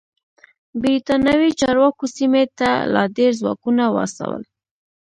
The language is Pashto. برېتانوي چارواکو سیمې ته لا ډېر ځواکونه واستول.